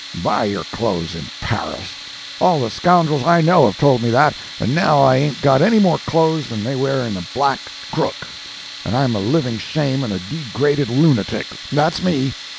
Buy your clothes in Paris! All the scoundrels I know have told me that, and now I ain't got any more clothes than they wear in the 'Black Crook,' and I'm a living shame and a degraded lunatic. That's me.